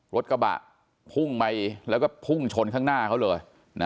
รถกระบะพุ่งไปแล้วก็พุ่งชนข้างหน้าเขาเลย